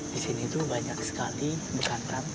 di sini itu banyak sekali bekantan